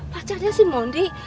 pacarnya si mondi